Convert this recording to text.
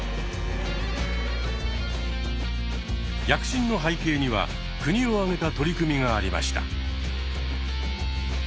躍進の背景には国を挙げた取り組みがありました。